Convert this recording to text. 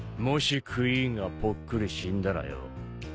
もしクイーンがぽっくり死んだらよ